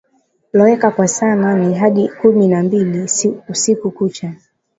loweka kwa saa nane hadi kumi na mbili usiku kucha